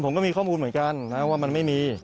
ผมก็มีข้อมูลเหมือนกันนะว่ามันไม่มี